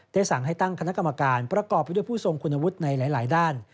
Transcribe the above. สั่งให้ตั้งคณะกรรมการประกอบไปด้วยผู้ทรงคุณวุฒิในหลายด้าน